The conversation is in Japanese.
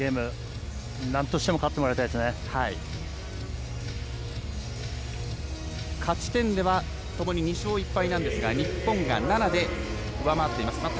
まず、きょうのゲームなんとしても勝ち点ではともに２勝１敗なんですが日本が７で上回っています。